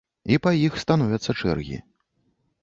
І па іх становяцца чэргі.